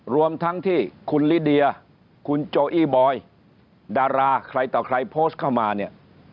รวมทั้งที่คุณลิเดียคุณโจอี้บอยดาราใครต่อใครโพสต์เข้ามาเนี่ย